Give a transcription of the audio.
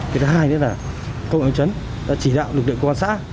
cái thứ hai nữa là công nghệ ứng chấn đã chỉ đạo lực lượng quan xã